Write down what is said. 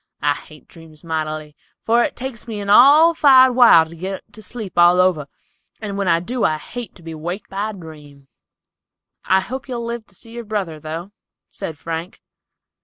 I hate dreams mightily, for it takes me an all fired while to get to sleep all over, and when I do I hate to be waked up by a dream." "I hope you'll live to see your brother, though," said Frank.